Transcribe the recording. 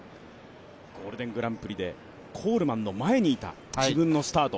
ゴールデングランプリでコールマンの前にいた自分のスタート。